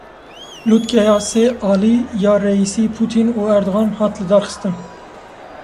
Lûtkeya sê alî ya Reîsî, Putin û Erdogan hat lidarxistin.